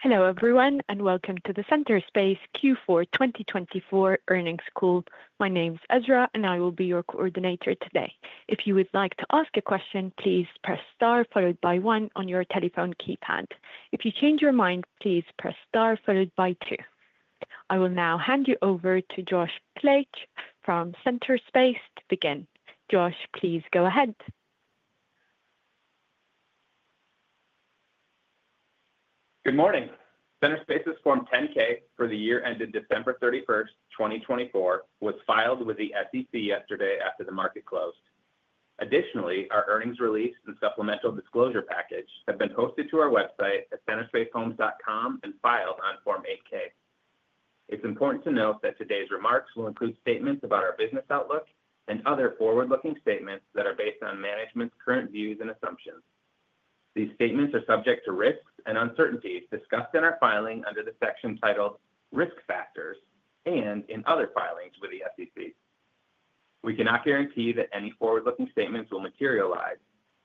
Hello everyone and welcome to the Centerspace Q4 2024 earnings call. My name's Ezra and I will be your coordinator today. If you would like to ask a question, please press star followed by one on your telephone keypad. If you change your mind, please press star followed by two. I will now hand you over to Josh Klaetsch from Centerspace to begin. Josh, please go ahead. Good morning. Centerspace's Form 10-K for the year ended December 31st, 2024, was filed with the SEC yesterday after the market closed. Additionally, our earnings release and supplemental disclosure package have been posted to our website at centerspacehomes.com and filed on Form 8-K. It's important to note that today's remarks will include statements about our business outlook and other forward-looking statements that are based on management's current views and assumptions. These statements are subject to risks and uncertainties discussed in our filing under the section titled Risk Factors and in other filings with the SEC. We cannot guarantee that any forward-looking statements will materialize,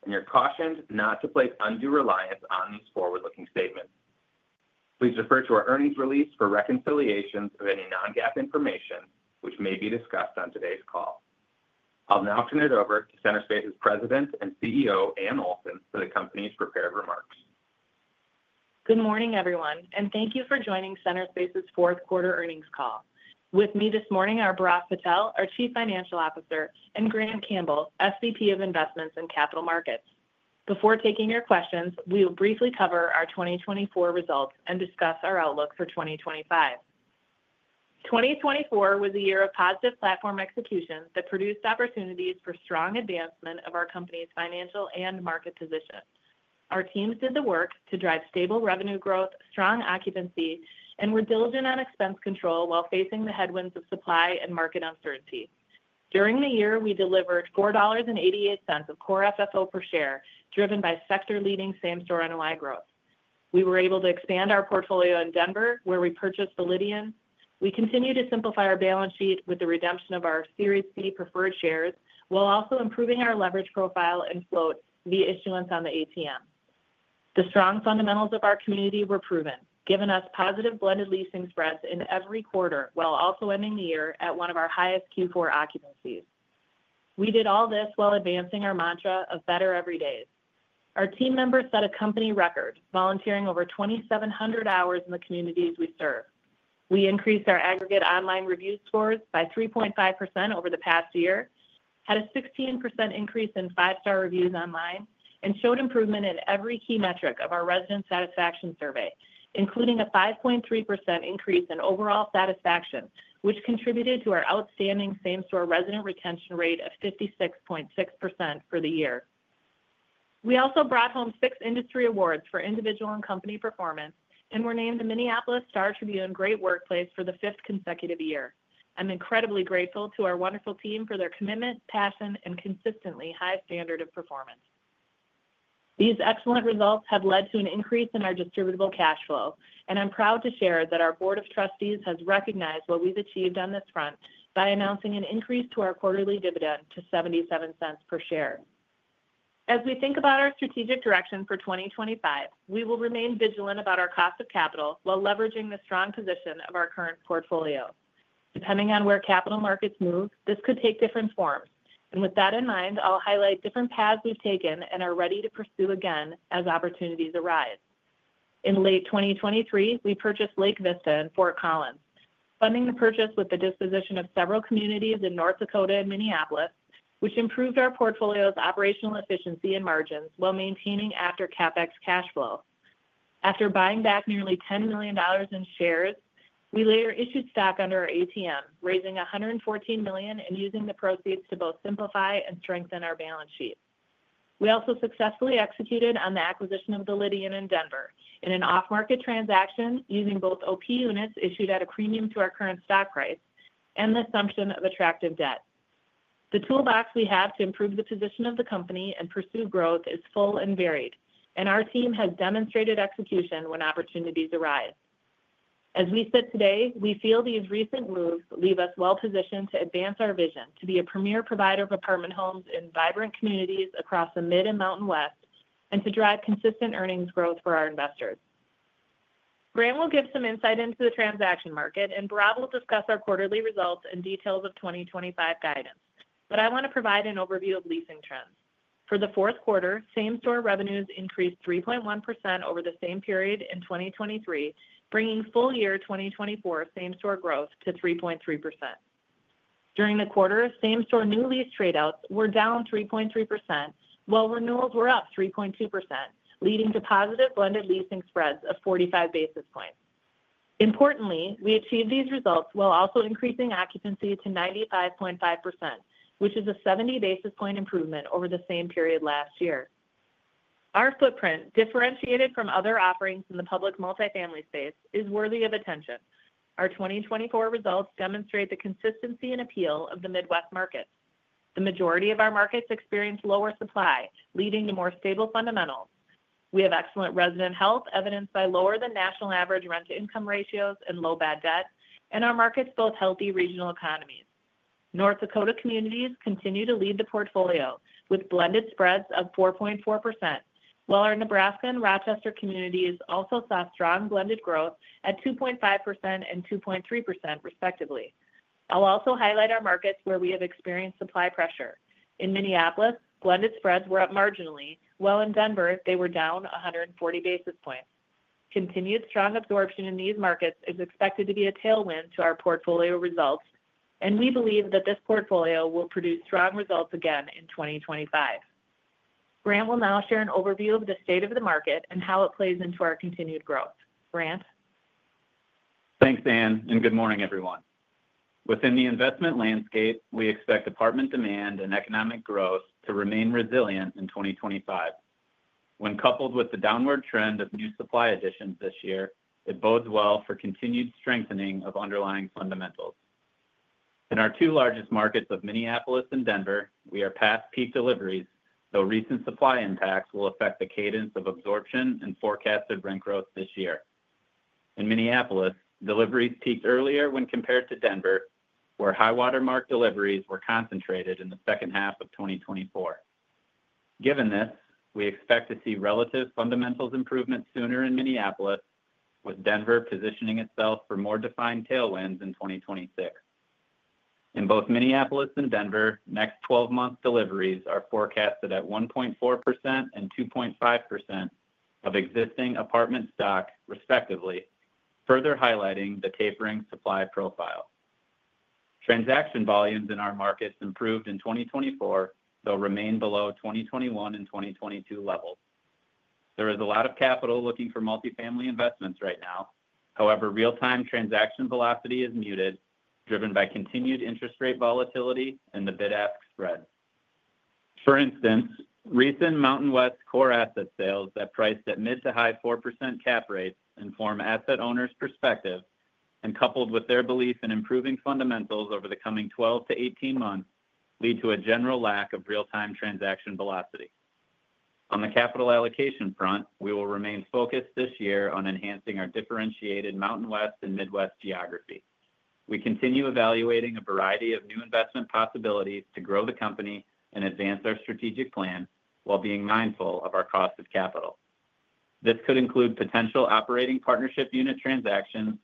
and you're cautioned not to place undue reliance on these forward-looking statements. Please refer to our earnings release for reconciliations of any non-GAAP information, which may be discussed on today's call. I'll now turn it over to Centerspace's President and CEO, Anne Olson, for the company's prepared remarks. Good morning everyone, and thank you for joining Centerspace's fourth quarter earnings call. With me this morning are Bhairav Patel, our Chief Financial Officer, and Grant Campbell, SVP of Investments and Capital Markets. Before taking your questions, we will briefly cover our 2024 results and discuss our outlook for 2025. 2024 was a year of positive platform execution that produced opportunities for strong advancement of our company's financial and market position. Our teams did the work to drive stable revenue growth, strong occupancy, and were diligent on expense control while facing the headwinds of supply and market uncertainty. During the year, we delivered $4.88 of core FFO per share, driven by sector-leading same-store NOI growth. We were able to expand our portfolio in Denver, where we purchased The Lydian. We continue to simplify our balance sheet with the redemption of our Series C preferred shares, while also improving our leverage profile and float via issuance on the ATM. The strong fundamentals of our community were proven, giving us positive blended leasing spreads in every quarter, while also ending the year at one of our highest Q4 occupancies. We did all this while advancing our mantra of Better Every Days. Our team members set a company record, volunteering over 2,700 hours in the communities we serve. We increased our aggregate online review scores by 3.5% over the past year, had a 16% increase in five-star reviews online, and showed improvement in every key metric of our resident satisfaction survey, including a 5.3% increase in overall satisfaction, which contributed to our outstanding same-store resident retention rate of 56.6% for the year. We also brought home six industry awards for individual and company performance and were named the Minneapolis Star Tribune Great Workplace for the fifth consecutive year. I'm incredibly grateful to our wonderful team for their commitment, passion, and consistently high standard of performance. These excellent results have led to an increase in our distributable cash flow, and I'm proud to share that our Board of Trustees has recognized what we've achieved on this front by announcing an increase to our quarterly dividend to $0.77 per share. As we think about our strategic direction for 2025, we will remain vigilant about our cost of capital while leveraging the strong position of our current portfolio. Depending on where capital markets move, this could take different forms. And with that in mind, I'll highlight different paths we've taken and are ready to pursue again as opportunities arise. In late 2023, we purchased Lake Vista in Fort Collins, funding the purchase with the disposition of several communities in North Dakota and Minneapolis, which improved our portfolio's operational efficiency and margins while maintaining after-CapEx cash flow. After buying back nearly $10 million in shares, we later issued stock under our ATM, raising $114 million and using the proceeds to both simplify and strengthen our balance sheet. We also successfully executed on the acquisition of Validion in Denver in an off-market transaction using both OP units issued at a premium to our current stock price and the assumption of attractive debt. The toolbox we have to improve the position of the company and pursue growth is full and varied, and our team has demonstrated execution when opportunities arise. As we sit today, we feel these recent moves leave us well-positioned to advance our vision to be a premier provider of apartment homes in vibrant communities across the Mid and Mountain West and to drive consistent earnings growth for our investors. Grant will give some insight into the transaction market, and Bhairav will discuss our quarterly results and details of 2025 guidance. But I want to provide an overview of leasing trends. For the fourth quarter, same-store revenues increased 3.1% over the same period in 2023, bringing full year 2024 same-store growth to 3.3%. During the quarter, same-store new lease tradeouts were down 3.3%, while renewals were up 3.2%, leading to positive blended leasing spreads of 45 basis points. Importantly, we achieved these results while also increasing occupancy to 95.5%, which is a 70 basis points improvement over the same period last year. Our footprint, differentiated from other offerings in the public multifamily space, is worthy of attention. Our 2024 results demonstrate the consistency and appeal of the Midwest markets. The majority of our markets experienced lower supply, leading to more stable fundamentals. We have excellent resident health, evidenced by lower than national average rent-to-income ratios and low bad debt, and our markets both healthy regional economies. North Dakota communities continue to lead the portfolio with blended spreads of 4.4%, while our Nebraska and Rochester communities also saw strong blended growth at 2.5% and 2.3%, respectively. I'll also highlight our markets where we have experienced supply pressure. In Minneapolis, blended spreads were up marginally, while in Denver, they were down 140 basis points. Continued strong absorption in these markets is expected to be a tailwind to our portfolio results, and we believe that this portfolio will produce strong results again in 2025.Grant will now share an overview of the state of the market and how it plays into our continued growth. Grant. Thanks, Anne, and good morning, everyone. Within the investment landscape, we expect apartment demand and economic growth to remain resilient in 2025. When coupled with the downward trend of new supply additions this year, it bodes well for continued strengthening of underlying fundamentals. In our two largest markets of Minneapolis and Denver, we are past peak deliveries, though recent supply impacts will affect the cadence of absorption and forecasted rent growth this year. In Minneapolis, deliveries peaked earlier when compared to Denver, where high-water mark deliveries were concentrated in the second half of 2024. Given this, we expect to see relative fundamentals improvement sooner in Minneapolis, with Denver positioning itself for more defined tailwinds in 2026. In both Minneapolis and Denver, next 12-month deliveries are forecasted at 1.4% and 2.5% of existing apartment stock, respectively, further highlighting the tapering supply profile. Transaction volumes in our markets improved in 2024, though remain below 2021 and 2022 levels. There is a lot of capital looking for multifamily investments right now. However, real-time transaction velocity is muted, driven by continued interest rate volatility and the bid-ask spread. For instance, recent Mountain West core asset sales that priced at mid to high 4% cap rates inform asset owners' perspective, and coupled with their belief in improving fundamentals over the coming 12 to 18 months, lead to a general lack of real-time transaction velocity. On the capital allocation front, we will remain focused this year on enhancing our differentiated Mountain West and Midwest geography. We continue evaluating a variety of new investment possibilities to grow the company and advance our strategic plan while being mindful of our cost of capital. This could include potential operating partnership unit transactions,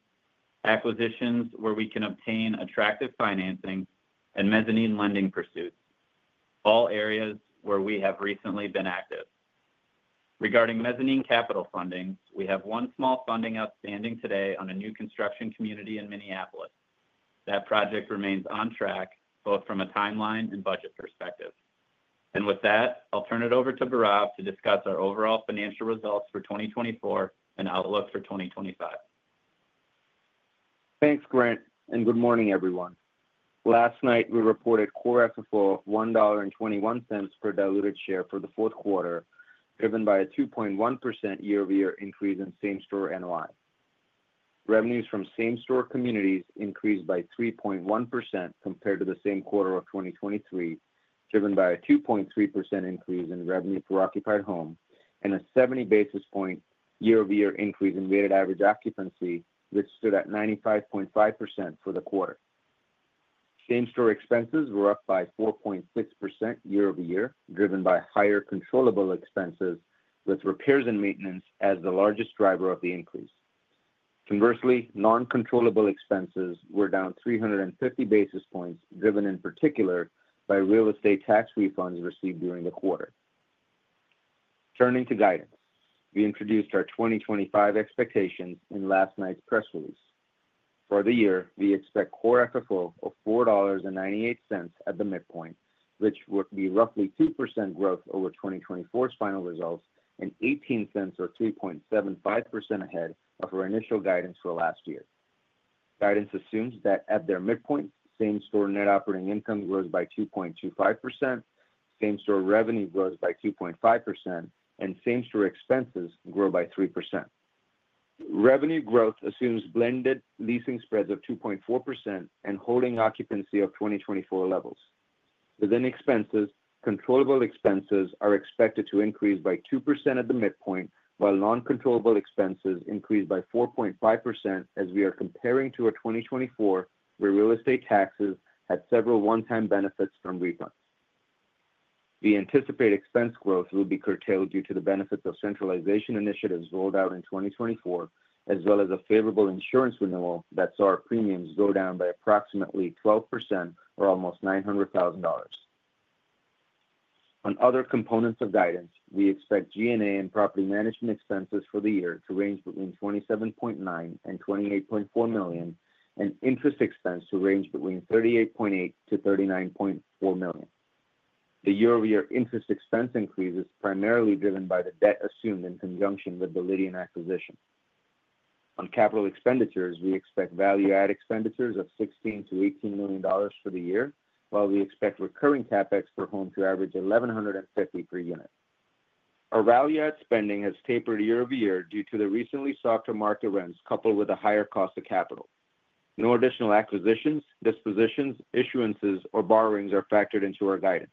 acquisitions where we can obtain attractive financing, and mezzanine lending pursuits, all areas where we have recently been active. Regarding mezzanine capital funding, we have one small funding outstanding today on a new construction community in Minneapolis. That project remains on track, both from a timeline and budget perspective, and with that, I'll turn it over to Bhairav to discuss our overall financial results for 2024 and outlook for 2025. Thanks, Grant, and good morning, everyone. Last night, we reported core FFO of $1.21 per diluted share for the fourth quarter, driven by a 2.1% year-over-year increase in same-store NOI. Revenues from same-store communities increased by 3.1% compared to the same quarter of 2023, driven by a 2.3% increase in revenue per occupied home and a 70 basis point year-over-year increase in weighted average occupancy, which stood at 95.5% for the quarter. Same-store expenses were up by 4.6% year-over-year, driven by higher controllable expenses, with repairs and maintenance as the largest driver of the increase. Conversely, non-controllable expenses were down 350 basis points, driven in particular by real estate tax refunds received during the quarter. Turning to guidance, we introduced our 2025 expectations in last night's press release. For the year, we expect core FFO of $4.98 at the midpoint, which would be roughly 2% growth over 2024's final results and 18 cents or 3.75% ahead of our initial guidance for last year. Guidance assumes that at their midpoint, same-store net operating income grows by 2.25%, same-store revenue grows by 2.5%, and same-store expenses grow by 3%. Revenue growth assumes blended leasing spreads of 2.4% and holding occupancy of 2024 levels. Within expenses, controllable expenses are expected to increase by 2% at the midpoint, while non-controllable expenses increase by 4.5% as we are comparing to our 2024, where real estate taxes had several one-time benefits from refunds. We anticipate expense growth will be curtailed due to the benefits of centralization initiatives rolled out in 2024, as well as a favorable insurance renewal that saw our premiums go down by approximately 12%, or almost $900,000. On other components of guidance, we expect G&A and property management expenses for the year to range between $27.9 and $28.4 million, and interest expense to range between $38.8 to $39.4 million. The year-over-year interest expense increase is primarily driven by the debt assumed in conjunction with Validion acquisition. On capital expenditures, we expect value-add expenditures of $16 to $18 million for the year, while we expect recurring capex per home to average $1,150 per unit. Our value-add spending has tapered year-over-year due to the recently softer market rents coupled with a higher cost of capital. No additional acquisitions, dispositions, issuances, or borrowings are factored into our guidance.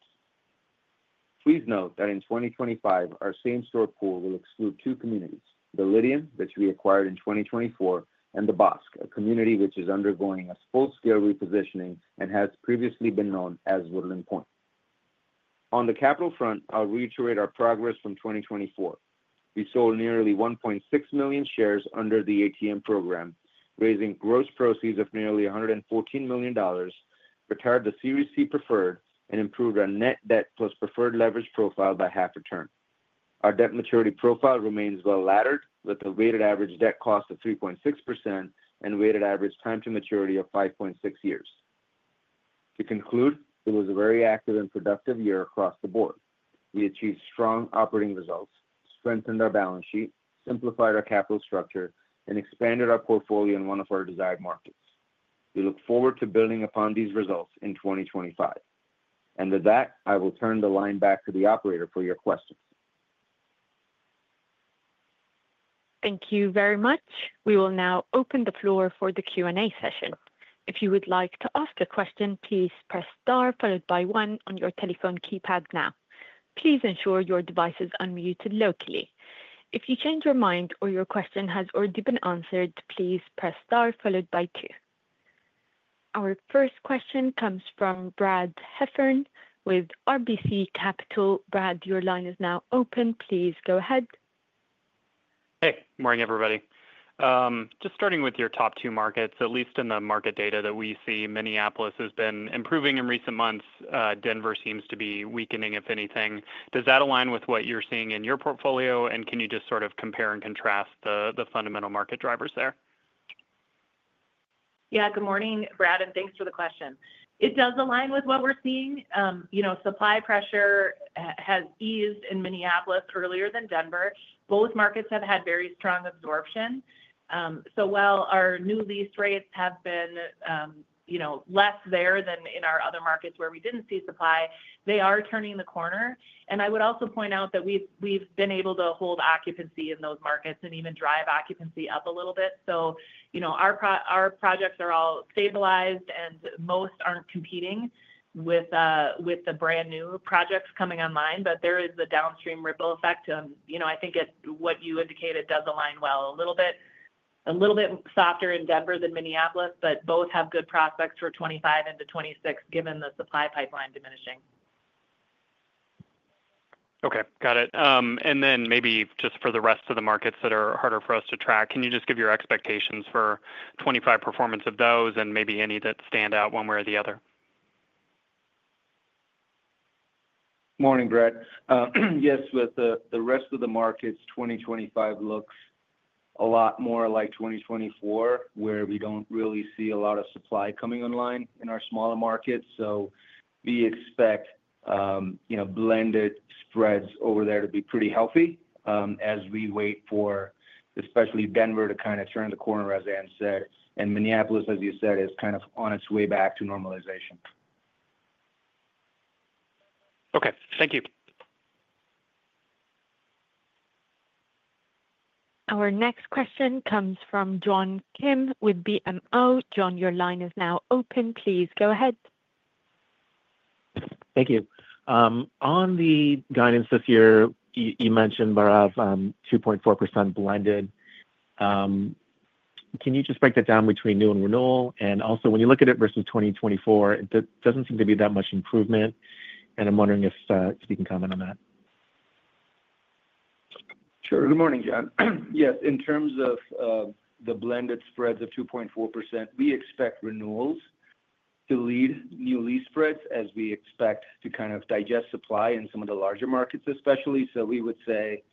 Please note that in 2025, our same-store pool will exclude two communities: Validion, which we acquired in 2024, and the Bosque, a community which is undergoing a full-scale repositioning and has previously been known as Woodland Pointe. On the capital front, I'll reiterate our progress from 2024. We sold nearly 1.6 million shares under the ATM program, raising gross proceeds of nearly $114 million, retired the Series C preferred, and improved our net debt plus preferred leverage profile by half a turn. Our debt maturity profile remains well-laddered, with a weighted average debt cost of 3.6% and weighted average time to maturity of 5.6 years. To conclude, it was a very active and productive year across the board. We achieved strong operating results, strengthened our balance sheet, simplified our capital structure, and expanded our portfolio in one of our desired markets. We look forward to building upon these results in 2025. And with that, I will turn the line back to the operator for your questions. Thank you very much. We will now open the floor for the Q&A session. If you would like to ask a question, please press star followed by one on your telephone keypad now. Please ensure your device is unmuted locally. If you change your mind or your question has already been answered, please press star followed by two. Our first question comes from Brad Heffern with RBC Capital. Brad, your line is now open. Please go ahead. Hey, morning, everybody. Just starting with your top two markets, at least in the market data that we see, Minneapolis has been improving in recent months. Denver seems to be weakening, if anything. Does that align with what you're seeing in your portfolio, and can you just sort of compare and contrast the fundamental market drivers there? Yeah, good morning, Brad, and thanks for the question. It does align with what we're seeing. Supply pressure has eased in Minneapolis earlier than Denver. Both markets have had very strong absorption. So while our new lease rates have been less there than in our other markets where we didn't see supply, they are turning the corner. And I would also point out that we've been able to hold occupancy in those markets and even drive occupancy up a little bit. So our projects are all stabilized, and most aren't competing with the brand new projects coming online, but there is the downstream ripple effect. I think what you indicated does align well a little bit, a little bit softer in Denver than Minneapolis, but both have good prospects for 2025 into 2026, given the supply pipeline diminishing. Okay, got it. And then maybe just for the rest of the markets that are harder for us to track, can you just give your expectations for 2025 performance of those and maybe any that stand out one way or the other? Morning, Brad. Yes, with the rest of the markets, 2025 looks a lot more like 2024, where we don't really see a lot of supply coming online in our smaller markets. So we expect blended spreads over there to be pretty healthy as we wait for, especially Denver, to kind of turn the corner, as Anne said. And Minneapolis, as you said, is kind of on its way back to normalization. Okay, thank you. Our next question comes from John Kim with BMO. John, your line is now open. Please go ahead. Thank you. On the guidance this year, you mentioned, Bhairav, 2.4% blended. Can you just break that down between new and renewal? And also, when you look at it versus 2024, it doesn't seem to be that much improvement. And I'm wondering if you can comment on that. Sure. Good morning, John. Yes, in terms of the blended spreads of 2.4%, we expect renewals to lead new lease spreads as we expect to kind of digest supply in some of the larger markets, especially. So we would say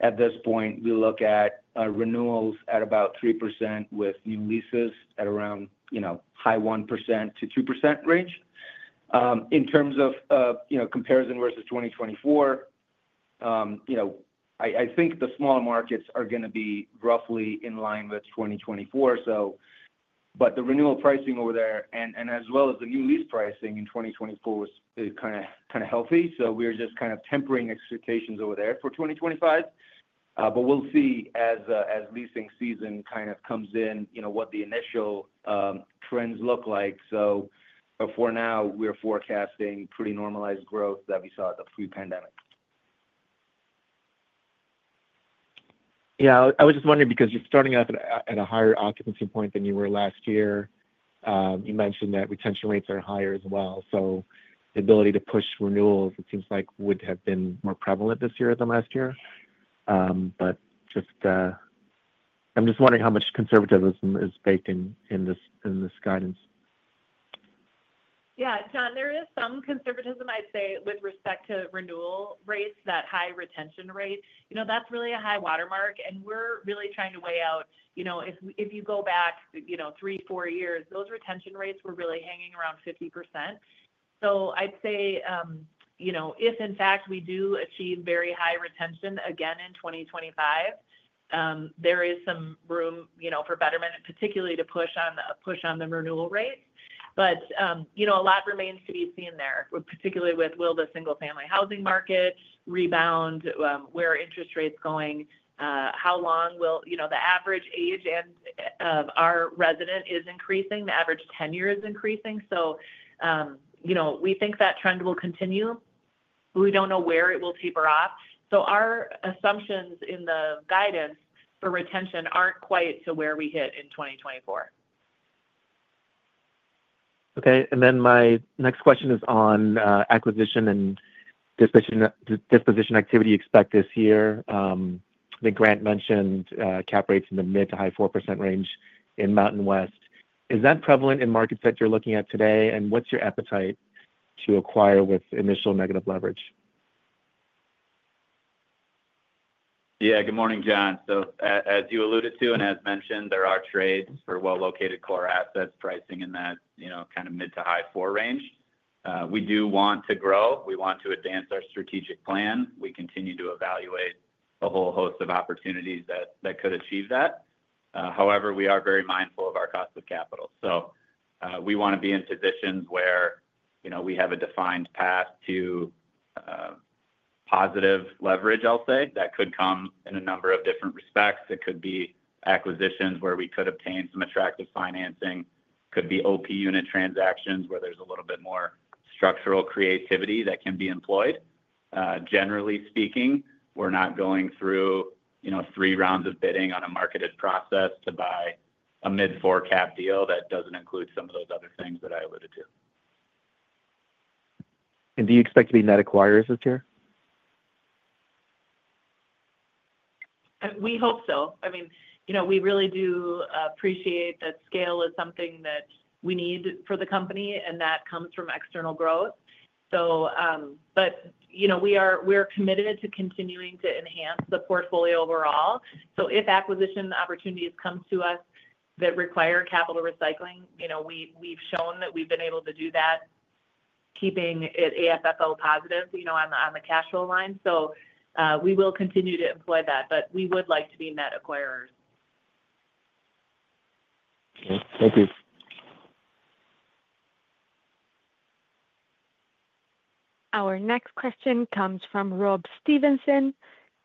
at this point, we look at renewals at about 3% with new leases at around high 1%-2% range. In terms of comparison versus 2024, I think the smaller markets are going to be roughly in line with 2024. But the renewal pricing over there, and as well as the new lease pricing in 2024, is kind of healthy. So we're just kind of tempering expectations over there for 2025. But we'll see as leasing season kind of comes in what the initial trends look like. So for now, we're forecasting pretty normalized growth that we saw pre-pandemic. Yeah, I was just wondering because you're starting off at a higher occupancy point than you were last year. You mentioned that retention rates are higher as well. So the ability to push renewals, it seems like would have been more prevalent this year than last year. But I'm just wondering how much conservatism is baked in this guidance? Yeah, John, there is some conservatism, I'd say, with respect to renewal rates, that high retention rate. That's really a high watermark. And we're really trying to weigh out, if you go back three, four years, those retention rates were really hanging around 50%. So I'd say if, in fact, we do achieve very high retention again in 2025, there is some room for betterment, particularly to push on the renewal rates. But a lot remains to be seen there, particularly with will the single-family housing market rebound? Where are interest rates going? How long will the average age of our resident is increasing? The average tenure is increasing. So we think that trend will continue. We don't know where it will taper off. So our assumptions in the guidance for retention aren't quite to where we hit in 2024. Okay. And then my next question is on acquisition and disposition activity expected this year. I think Grant mentioned cap rates in the mid- to high-4% range in Mountain West. Is that prevalent in markets that you're looking at today? And what's your appetite to acquire with initial negative leverage? Yeah, good morning, John. So as you alluded to and as mentioned, there are trades for well-located core assets pricing in that kind of mid- to high-4 range. We do want to grow. We want to advance our strategic plan. We continue to evaluate a whole host of opportunities that could achieve that. However, we are very mindful of our cost of capital. So we want to be in positions where we have a defined path to positive leverage, I'll say, that could come in a number of different respects. It could be acquisitions where we could obtain some attractive financing. It could be OP unit transactions where there's a little bit more structural creativity that can be employed. Generally speaking, we're not going through three rounds of bidding on a marketed process to buy a mid-4 cap deal that doesn't include some of those other things that I alluded to. Do you expect to be net acquirers this year? We hope so. I mean, we really do appreciate that scale is something that we need for the company, and that comes from external growth. But we're committed to continuing to enhance the portfolio overall. So if acquisition opportunities come to us that require capital recycling, we've shown that we've been able to do that, keeping it AFFO positive on the cash flow line. So we will continue to employ that, but we would like to be net acquirers. Thank you. Our next question comes from Rob Stevenson.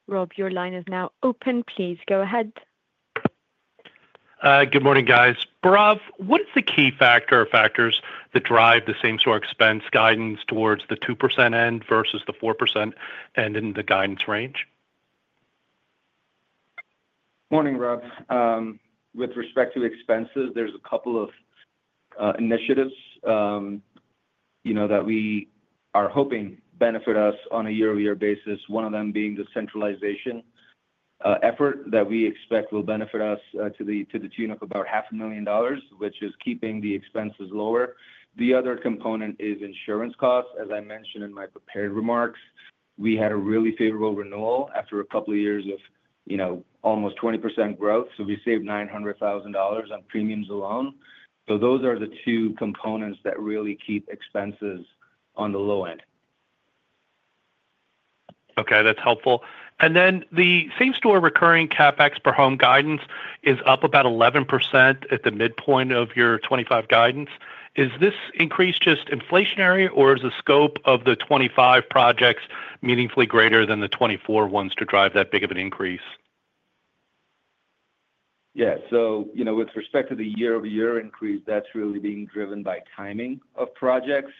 Rob, your line is now open. Please go ahead. Good morning, guys. Brad, what is the key factor or factors that drive the same-store expense guidance towards the 2% end versus the 4% end in the guidance range? Morning, Rob. With respect to expenses, there's a couple of initiatives that we are hoping benefit us on a year-over-year basis. One of them being the centralization effort that we expect will benefit us to the tune of about $500,000, which is keeping the expenses lower. The other component is insurance costs. As I mentioned in my prepared remarks, we had a really favorable renewal after a couple of years of almost 20% growth. So we saved $900,000 on premiums alone. So those are the two components that really keep expenses on the low end. Okay, that's helpful. And then the same-store recurring Capex per home guidance is up about 11% at the midpoint of your 2025 guidance. Is this increase just inflationary, or is the scope of the 2025 projects meaningfully greater than the 2024 ones to drive that big of an increase? Yeah. So with respect to the year-over-year increase, that's really being driven by timing of projects.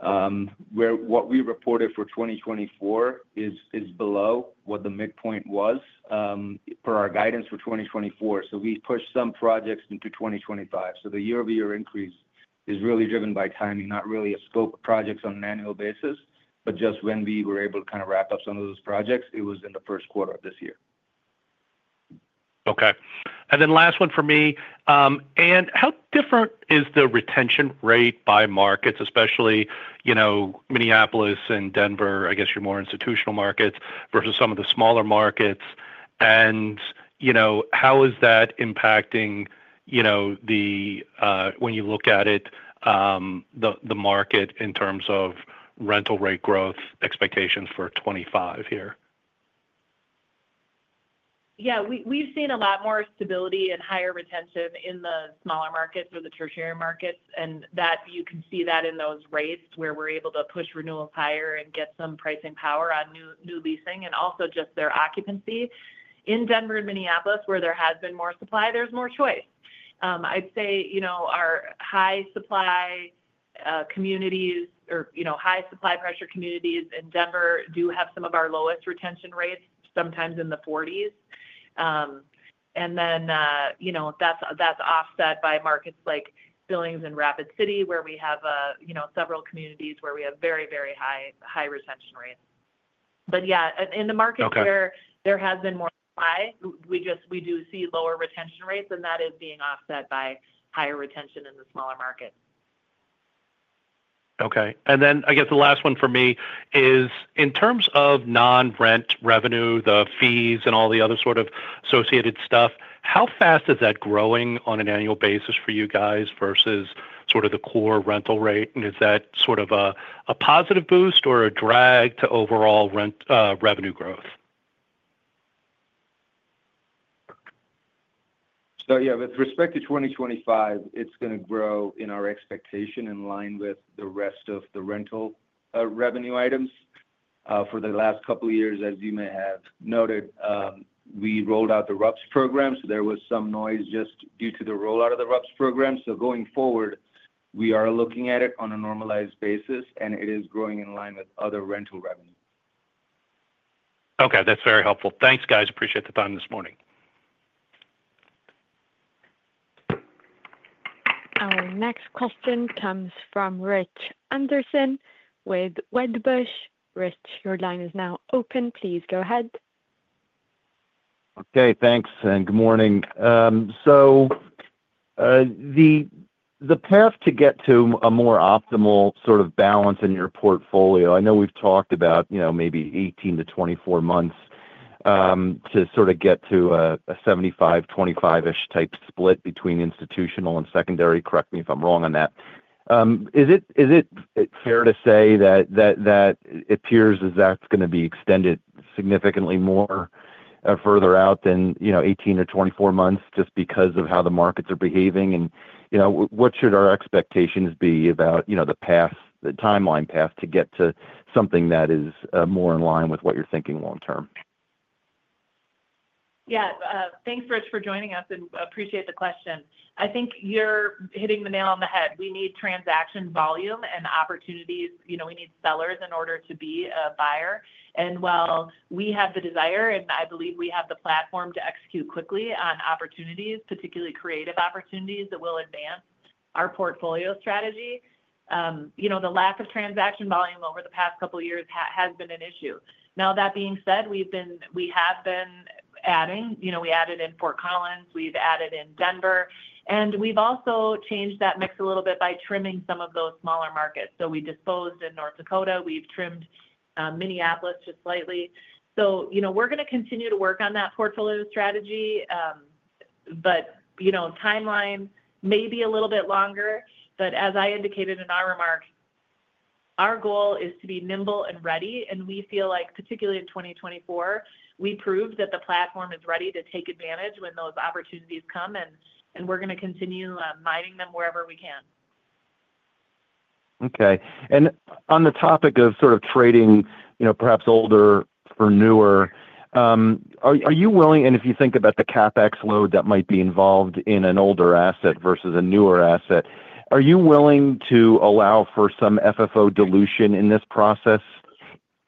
What we reported for 2024 is below what the midpoint was for our guidance for 2024. So we pushed some projects into 2025. So the year-over-year increase is really driven by timing, not really a scope of projects on an annual basis, but just when we were able to kind of wrap up some of those projects, it was in the first quarter of this year. Okay. And then last one for me. And how different is the retention rate by markets, especially Minneapolis and Denver, I guess your more institutional markets, versus some of the smaller markets? And how is that impacting when you look at it, the market in terms of rental rate growth expectations for 2025 here? Yeah, we've seen a lot more stability and higher retention in the smaller markets or the tertiary markets, and that you can see that in those rates where we're able to push renewals higher and get some pricing power on new leasing and also just their occupancy. In Denver and Minneapolis, where there has been more supply, there's more choice. I'd say our high-supply communities or high-supply pressure communities in Denver do have some of our lowest retention rates, sometimes in the 40s. And then that's offset by markets like Billings and Rapid City, where we have several communities where we have very, very high retention rates. But yeah, in the markets where there has been more supply, we do see lower retention rates, and that is being offset by higher retention in the smaller markets. Okay. And then I guess the last one for me is, in terms of non-rent revenue, the fees and all the other sort of associated stuff, how fast is that growing on an annual basis for you guys versus sort of the core rental rate? And is that sort of a positive boost or a drag to overall revenue growth? So yeah, with respect to 2025, it's going to grow in our expectation in line with the rest of the rental revenue items. For the last couple of years, as you may have noted, we rolled out the RUBS program. So there was some noise just due to the rollout of the RUBS program. So going forward, we are looking at it on a normalized basis, and it is growing in line with other rental revenue. Okay, that's very helpful. Thanks, guys. Appreciate the time this morning. Our next question comes from Rich Anderson with Wedbush. Rich, your line is now open. Please go ahead. Okay, thanks. And good morning. So the path to get to a more optimal sort of balance in your portfolio, I know we've talked about maybe 18 to 24 months to sort of get to a 75-25-ish type split between institutional and secondary. Correct me if I'm wrong on that. Is it fair to say that it appears as that's going to be extended significantly more further out than 18 or 24 months just because of how the markets are behaving? And what should our expectations be about the timeline path to get to something that is more in line with what you're thinking long-term? Yeah. Thanks, Rich, for joining us, and appreciate the question. I think you're hitting the nail on the head. We need transaction volume and opportunities. We need sellers in order to be a buyer. And while we have the desire, and I believe we have the platform to execute quickly on opportunities, particularly creative opportunities that will advance our portfolio strategy, the lack of transaction volume over the past couple of years has been an issue. Now, that being said, we have been adding. We added in Fort Collins. We've added in Denver. And we've also changed that mix a little bit by trimming some of those smaller markets. So we disposed in North Dakota. We've trimmed Minneapolis just slightly. So we're going to continue to work on that portfolio strategy, but timeline may be a little bit longer. But as I indicated in our remarks, our goal is to be nimble and ready. And we feel like, particularly in 2024, we proved that the platform is ready to take advantage when those opportunities come, and we're going to continue mining them wherever we can. Okay. And on the topic of sort of trading perhaps older for newer, are you willing, and if you think about the CapEx load that might be involved in an older asset versus a newer asset, are you willing to allow for some FFO dilution in this process?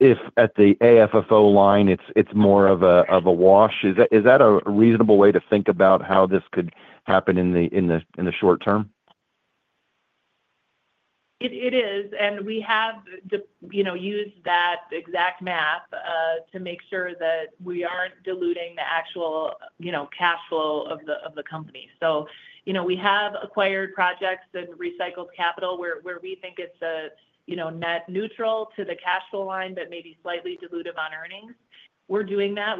If at the AFFO line, it's more of a wash, is that a reasonable way to think about how this could happen in the short term? It is, and we have used that exact map to make sure that we aren't diluting the actual cash flow of the company, so we have acquired projects and recycled capital where we think it's net neutral to the cash flow line but maybe slightly dilutive on earnings. We're doing that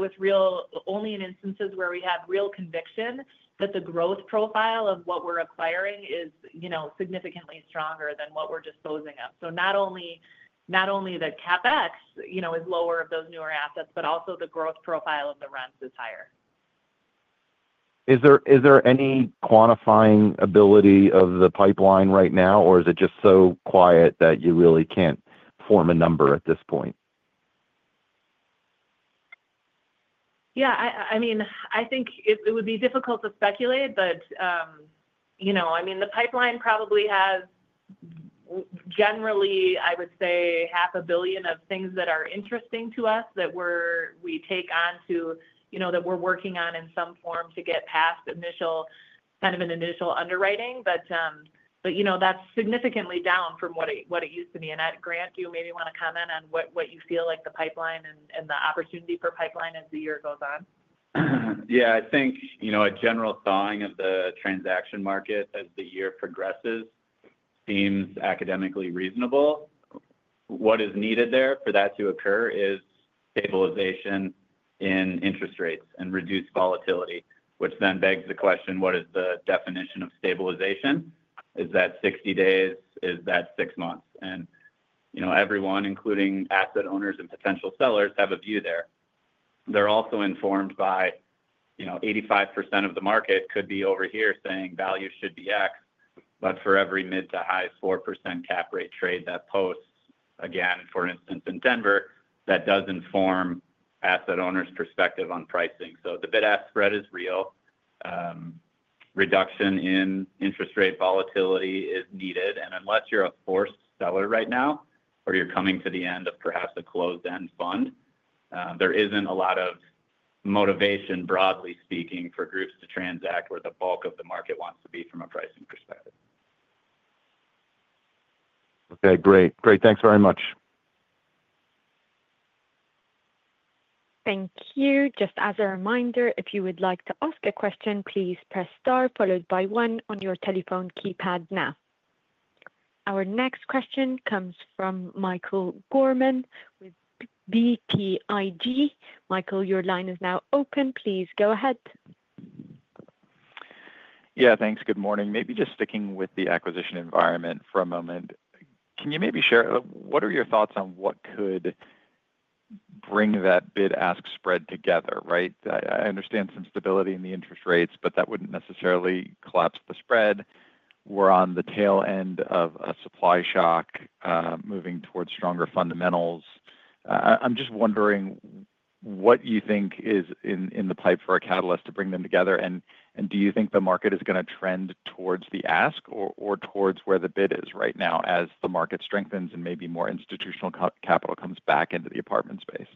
only in instances where we have real conviction that the growth profile of what we're acquiring is significantly stronger than what we're disposing of, so not only the CapEx is lower of those newer assets, but also the growth profile of the rents is higher. Is there any quantifying ability of the pipeline right now, or is it just so quiet that you really can't form a number at this point? Yeah. I mean, I think it would be difficult to speculate, but I mean, the pipeline probably has generally, I would say, $500 million of things that are interesting to us that we take on to that we're working on in some form to get past kind of an initial underwriting. But that's significantly down from what it used to be. And Grant, do you maybe want to comment on what you feel like the pipeline and the opportunity for pipeline as the year goes on? Yeah. I think a general thawing of the transaction market as the year progresses seems academically reasonable. What is needed there for that to occur is stabilization in interest rates and reduced volatility, which then begs the question, what is the definition of stabilization? Is that 60 days? Is that 6 months, and everyone, including asset owners and potential sellers, have a view there. They're also informed by 85% of the market could be over here saying value should be X, but for every mid- to high-4% cap rate trade that posts, again, for instance, in Denver, that does inform asset owners' perspective on pricing, so the bid-ask spread is real. Reduction in interest rate volatility is needed. Unless you're a forced seller right now or you're coming to the end of perhaps a closed-end fund, there isn't a lot of motivation, broadly speaking, for groups to transact where the bulk of the market wants to be from a pricing perspective. Okay. Great. Great. Thanks very much. Thank you. Just as a reminder, if you would like to ask a question, please press star followed by one on your telephone keypad now. Our next question comes from Michael Gorman with BTIG. Michael, your line is now open. Please go ahead. Yeah. Thanks. Good morning. Maybe just sticking with the acquisition environment for a moment, can you maybe share what are your thoughts on what could bring that bid-ask spread together, right? I understand some stability in the interest rates, but that wouldn't necessarily collapse the spread. We're on the tail end of a supply shock moving towards stronger fundamentals. I'm just wondering what you think is in the pipe for a catalyst to bring them together. And do you think the market is going to trend towards the ask or towards where the bid is right now as the market strengthens and maybe more institutional capital comes back into the apartment space?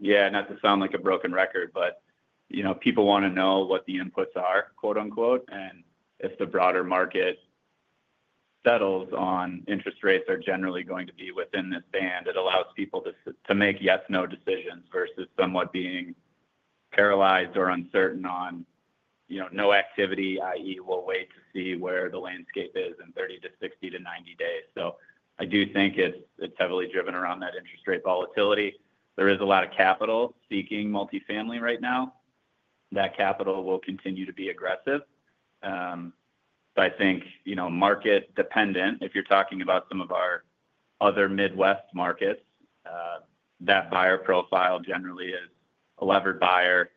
Yeah. Not to sound like a broken record, but people want to know what the inputs are, quote-unquote. And if the broader market settles on interest rates are generally going to be within this band, it allows people to make yes-no decisions versus somewhat being paralyzed or uncertain on no activity, i.e., we'll wait to see where the landscape is in 30 to 60 to 90 days. So I do think it's heavily driven around that interest rate volatility. There is a lot of capital seeking multifamily right now. That capital will continue to be aggressive. But I think market-dependent, if you're talking about some of our other Midwest markets, that buyer profile generally is a levered buyer.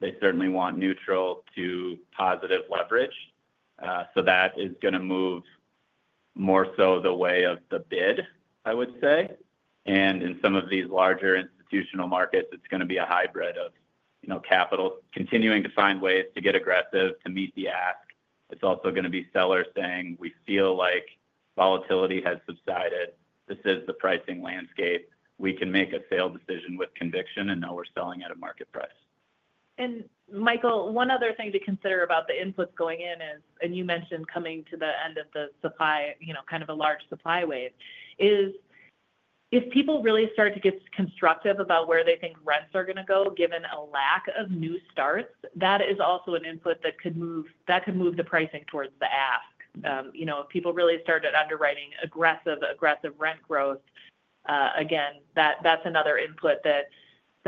They certainly want neutral to positive leverage. So that is going to move more so the way of the bid, I would say. In some of these larger institutional markets, it's going to be a hybrid of capital continuing to find ways to get aggressive to meet the ask. It's also going to be sellers saying, "We feel like volatility has subsided. This is the pricing landscape. We can make a sale decision with conviction, and now we're selling at a market price. Michael, one other thing to consider about the inputs going in is, and you mentioned coming to the end of the supply, kind of a large supply wave, is if people really start to get constructive about where they think rents are going to go, given a lack of new starts, that is also an input that could move the pricing towards the ask. If people really started underwriting aggressive, aggressive rent growth, again, that's another input that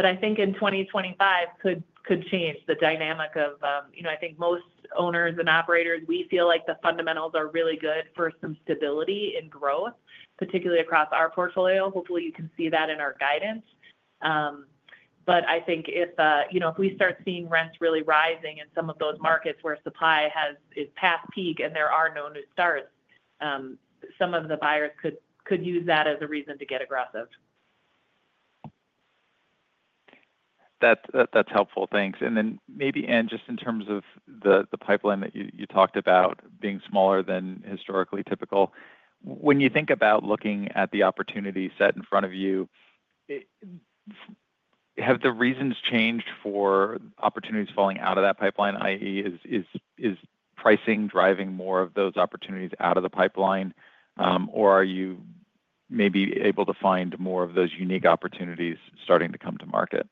I think in 2025 could change the dynamic of I think most owners and operators. We feel like the fundamentals are really good for some stability in growth, particularly across our portfolio. Hopefully, you can see that in our guidance. But I think if we start seeing rents really rising in some of those markets where supply is past peak and there are no new starts, some of the buyers could use that as a reason to get aggressive. That's helpful. Thanks. And then maybe just in terms of the pipeline that you talked about being smaller than historically typical, when you think about looking at the opportunity set in front of you, have the reasons changed for opportunities falling out of that pipeline, i.e., is pricing driving more of those opportunities out of the pipeline, or are you maybe able to find more of those unique opportunities starting to come to market?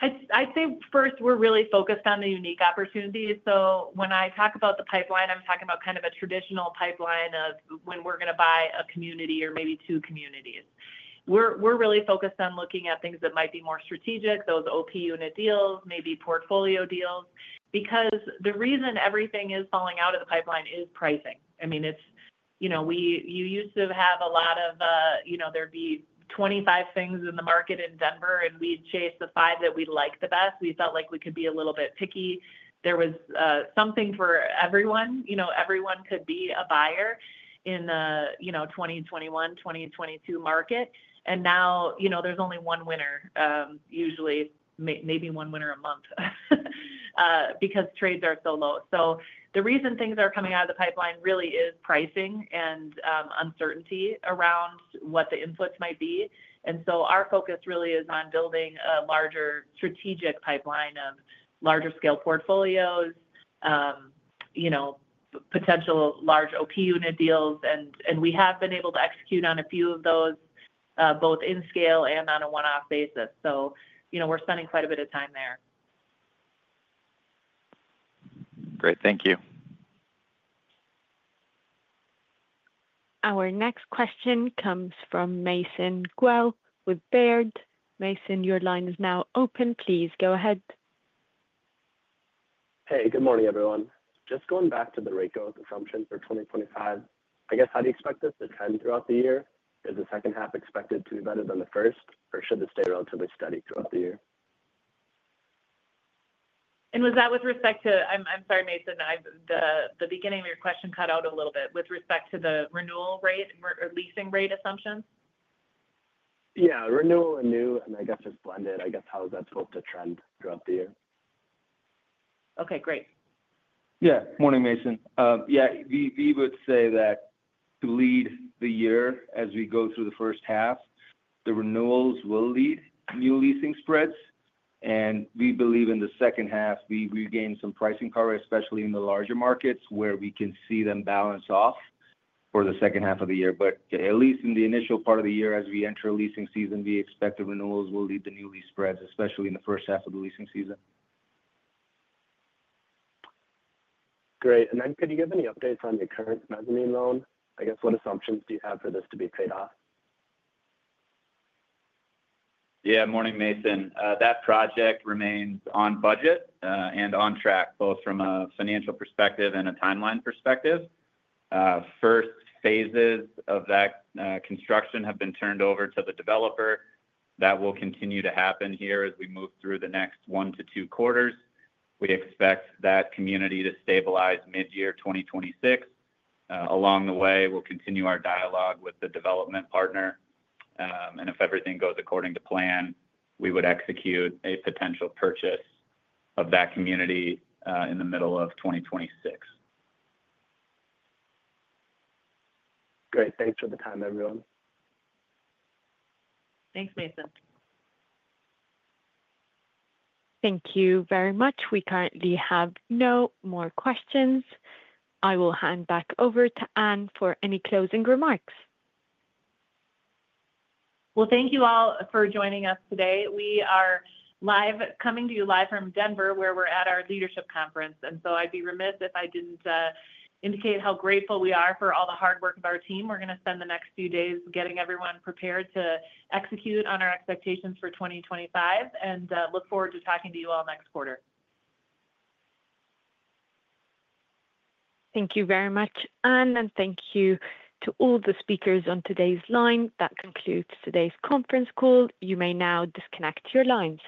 I'd say first, we're really focused on the unique opportunities. So when I talk about the pipeline, I'm talking about kind of a traditional pipeline of when we're going to buy a community or maybe two communities. We're really focused on looking at things that might be more strategic, those OP unit deals, maybe portfolio deals, because the reason everything is falling out of the pipeline is pricing. I mean, you used to have a lot of there'd be 25 things in the market in Denver, and we'd chase the five that we'd like the best. We felt like we could be a little bit picky. There was something for everyone. Everyone could be a buyer in the 2021, 2022 market. And now there's only one winner, usually maybe one winner a month because trades are so low. So the reason things are coming out of the pipeline really is pricing and uncertainty around what the inputs might be. And so our focus really is on building a larger strategic pipeline of larger scale portfolios, potential large OP unit deals. And we have been able to execute on a few of those both in scale and on a one-off basis. So we're spending quite a bit of time there. Great. Thank you. Our next question comes from Mason Guell with Baird. Mason, your line is now open. Please go ahead. Hey. Good morning, everyone. Just going back to the rate growth assumptions for 2025, I guess, how do you expect this to trend throughout the year? Is the second half expected to be better than the first, or should this stay relatively steady throughout the year? Was that with respect to, I'm sorry, Mason. The beginning of your question cut out a little bit with respect to the renewal rate or leasing rate assumptions? Yeah. Renewal and new, and I guess just blended. I guess how is that supposed to trend throughout the year? Okay. Great. Yeah. Morning, Mason. Yeah. We would say that to lead the year as we go through the first half, the renewals will lead new leasing spreads. And we believe in the second half, we regain some pricing power, especially in the larger markets where we can see them balance off for the second half of the year. But at least in the initial part of the year, as we enter leasing season, we expect the renewals will lead the new lease spreads, especially in the first half of the leasing season. Great. And then, could you give any updates on your current mezzanine loan? I guess, what assumptions do you have for this to be paid off? Yeah. Morning, Mason. That project remains on budget and on track both from a financial perspective and a timeline perspective. First phases of that construction have been turned over to the developer. That will continue to happen here as we move through the next one to two quarters. We expect that community to stabilize mid-year 2026. Along the way, we'll continue our dialogue with the development partner. And if everything goes according to plan, we would execute a potential purchase of that community in the middle of 2026. Great. Thanks for the time, everyone. Thanks, Mason. Thank you very much. We currently have no more questions. I will hand back over to Anne for any closing remarks. Thank you all for joining us today. We are coming to you live from Denver, where we're at our leadership conference. I'd be remiss if I didn't indicate how grateful we are for all the hard work of our team. We're going to spend the next few days getting everyone prepared to execute on our expectations for 2025 and look forward to talking to you all next quarter. Thank you very much, Anne, and thank you to all the speakers on today's line. That concludes today's conference call. You may now disconnect your lines.